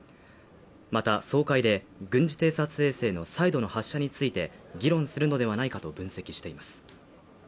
また総会で、軍事偵察衛星の再度の発射について議論するのではないかと分析しています。